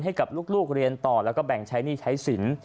ให้กับลูกเรียนต่อแล้วก็แบ่งใช้หนี้ใช้สิน